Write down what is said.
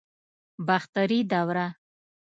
باختري دوره